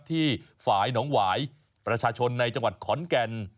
ที่ฝ่ายหนองหวายประชาชนในจังหวัดขอนแก่น